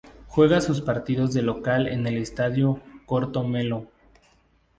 Juega sus partidos de local en el Estadio "Corto Melo.